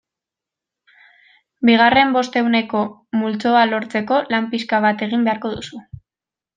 Bigarren bostehuneko multzoa lortzeko lan pixka bat egin beharko duzu.